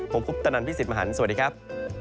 ผมคุปตนันพี่สิทธิ์มหันฯสวัสดีครับ